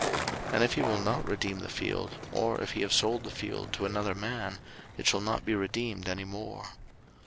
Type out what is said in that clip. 03:027:020 And if he will not redeem the field, or if he have sold the field to another man, it shall not be redeemed any more.